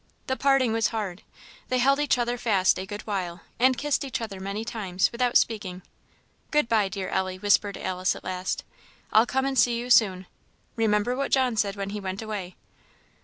The parting was hard. They held each other fast a good while, and kissed each other many times, without speaking. "Good bye, dear Ellie," whispered Alice at last "I'll come and see you soon. Remember what John said when he went away."